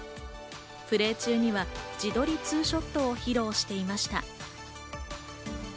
プレー中には自撮ツーショットを披露していました。